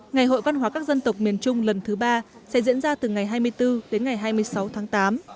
ngày hội văn hóa các dân tộc miền trung lần thứ ba sẽ diễn ra từ ngày hai mươi bốn đến ngày hai mươi sáu tháng tám